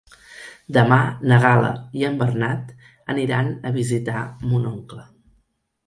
Demà na Gal·la i en Bernat aniran a visitar mon oncle.